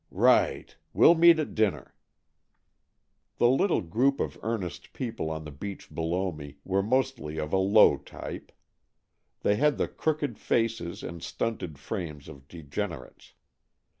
" Right. We'll meet at dinner." The little group of earnest people on the beach below me were mostly of a low type. They had the crooked faces and stunted frames of degenerates.